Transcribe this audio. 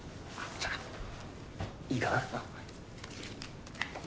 じゃあいいかな？